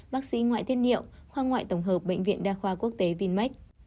bác sĩ ngoại thiết niệm khoa ngoại tổng hợp bệnh viện đa khoa quốc tế vinmec